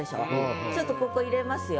ちょっとここ入れますよ。